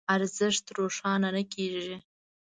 ارزش روښانه نه کېږي.